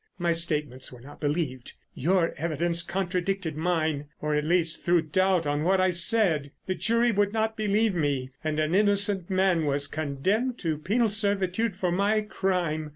My statements were not believed. Your evidence contradicted mine, or, at least, threw doubt on what I said. The jury would not believe me, and an innocent man was condemned to penal servitude for my crime.